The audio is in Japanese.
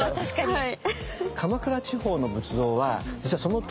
はい。